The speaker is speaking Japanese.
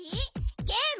ゲーム？